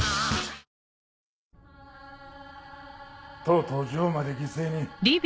とうとう城まで犠牲に。